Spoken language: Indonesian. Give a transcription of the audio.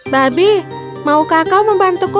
babi mau kakau membantuku